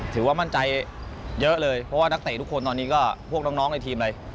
ถือว่ามั่นใจเยอะเลยเพราะว่านักเตะทุกคนตอนนี้ก็พวกน้องในทีมเลย